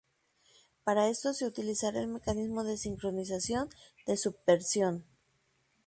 Para esto se utilizará el mecanismo de sincronización de Subversion.